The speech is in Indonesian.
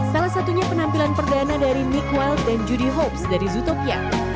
salah satunya penampilan perdana dari nick wilde dan judy hopes dari zootopia